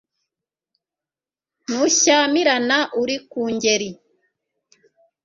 ntushyamirana uri ku ngeri